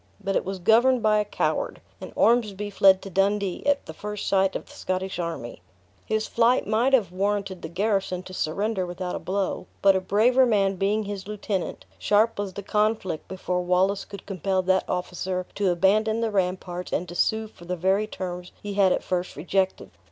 But it was governed by a coward, and Ormsby fled to Dundee at the first sight of the Scottish army. His flight might have warranted the garrison to surrender without a blow, but a braver man being his lieutenant, sharp was the conflict before Wallace could compel that officer to abandon the ramparts and to sue for the very terms he had at first rejected.